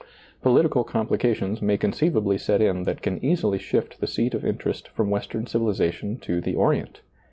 Political complications may conceiv ably set in that can easily shift the seat of interest from western civilization to the Orient.